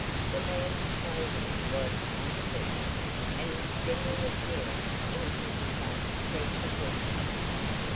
The man's clothing was unkempt, and his general appearance anything but prepossessing.